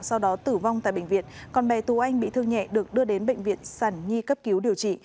sau đó tử vong tại bệnh viện còn bé tú anh bị thương nhẹ được đưa đến bệnh viện sản nhi cấp cứu điều trị